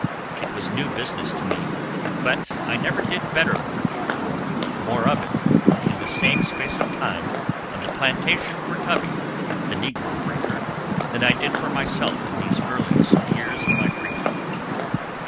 It was new business to me, but I never did better work, or more of it, in the same space of time on the plantation for Covey, the negro breaker, than I did for myself in these earliest years of my freedom.